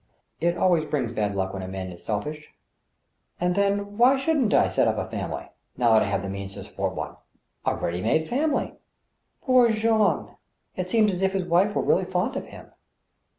... It always brings bad luck when a man is selfish .... And then why shouldn't I set up a family, now that I have the means to support one ? A ready made family. Poor Jean ! It seems as if his wife were really fond of him.